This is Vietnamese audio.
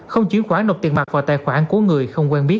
không chuyển khoản nộp tiền mặt vào tài khoản của người không quen biết